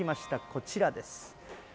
こちらです。